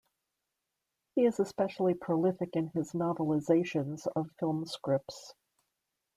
He is especially prolific in his novelizations of film scripts.